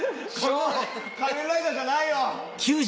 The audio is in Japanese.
仮面ライダーじゃないよ。